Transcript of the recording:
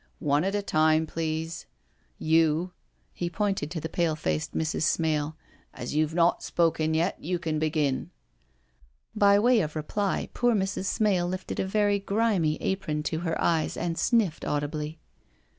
One at a time, please. You "—he pointed to the pale faced Mrs, Smale —" as you've not spoken yet you can begin." By way of reply poor Mrs. Smale lifted a very grimy apron to her eyes and sniffed audibly.